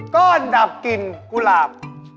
ก้อนดับกินกุหลาบ